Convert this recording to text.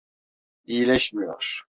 İyileşmiyor.